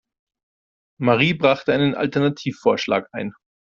Marie brachte einen Alternativvorschlag ein.